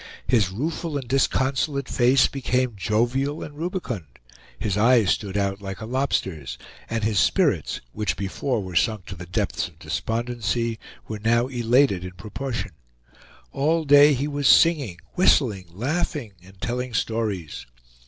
His rueful and disconsolate face became jovial and rubicund, his eyes stood out like a lobster's, and his spirits, which before were sunk to the depths of despondency, were now elated in proportion; all day he was singing, whistling, laughing, and telling stories.